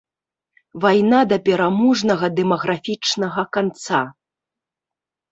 Вайна да пераможнага дэмаграфічнага канца!